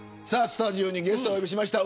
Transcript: スタジオにゲストをお呼びしました。